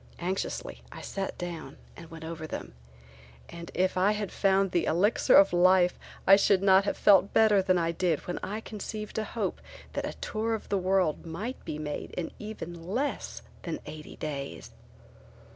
Anxiously I sat down and went over them and if I had found the elixir of life I should not have felt better than I did when I conceived a hope that a tour of the world might be made in even less than eighty days.